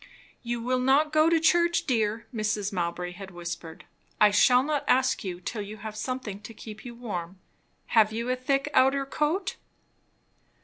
"You will not go to church, dear," Mrs. Mowbray had whispered. "I shall not ask you till you have something to keep you warm. Have you a thick outer coat?"